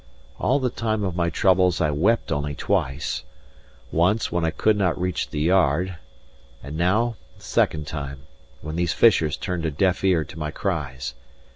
All the time of my troubles I wept only twice. Once, when I could not reach the yard, and now, the second time, when these fishers turned a deaf ear to my cries.